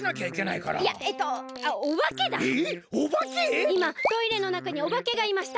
いまトイレのなかにおばけがいました。